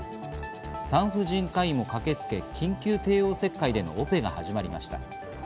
産婦人科医も駆けつけ緊急帝王切開でのオペが始まりました。